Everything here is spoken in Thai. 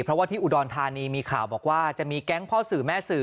เพราะว่าที่อุดรธานีมีข่าวบอกว่าจะมีแก๊งพ่อสื่อแม่สื่อ